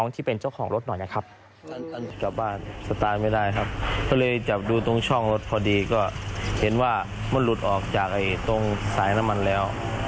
ตรงสายน้ำมันแล้ว